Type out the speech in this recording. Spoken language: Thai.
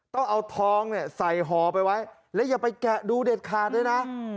ต้องเอาทองเนี่ยใส่ห่อไปไว้และอย่าไปแกะดูเด็ดขาดด้วยนะ